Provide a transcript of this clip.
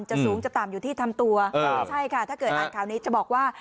สูงจะต่ำอยู่ที่ทำตัวไม่ใช่ค่ะถ้าเกิดอ่านข่าวนี้จะบอกว่า